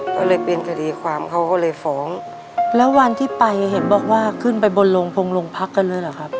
ก็เลยเป็นคดีความเขาก็เลยฟ้องแล้ววันที่ไปเห็นบอกว่าขึ้นไปบนโรงพงโรงพักกันเลยเหรอครับ